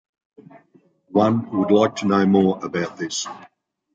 One would like to know more about this.